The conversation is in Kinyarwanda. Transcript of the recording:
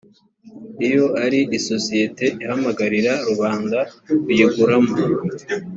iyo ari isosiyete ihamagarira rubanda kuyiguramo